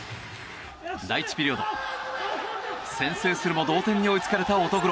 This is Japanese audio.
第１ピリオド、先制するも同点に追いつかれた乙黒。